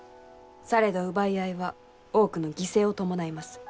されど奪い合いは多くの犠牲を伴います。